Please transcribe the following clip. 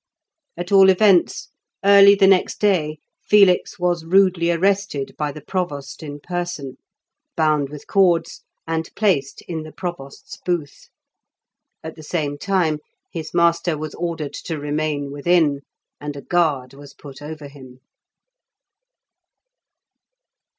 At all events, early the next day Felix was rudely arrested by the provost in person, bound with cords, and placed in the provost's booth. At the same time, his master was ordered to remain within, and a guard was put over him.